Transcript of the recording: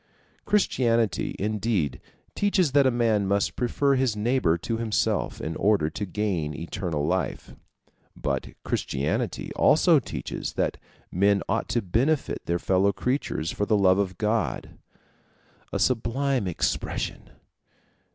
Christianity indeed teaches that a man must prefer his neighbor to himself, in order to gain eternal life; but Christianity also teaches that men ought to benefit their fellow creatures for the love of God. A sublime expression!